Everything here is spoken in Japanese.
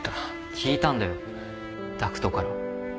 聞いたんだよダクトから。